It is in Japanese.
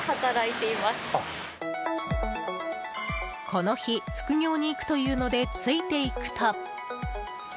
この日、副業に行くというのでついていくと。